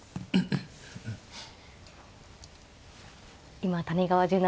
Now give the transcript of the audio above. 今谷川十七